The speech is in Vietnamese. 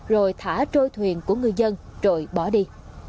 rồi thả trôi thuyền của người dân rồi bỏ đi